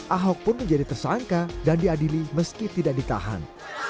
ahok pun menjadi tersangka dan diadili meski tidak ditahan